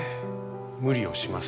無理をします。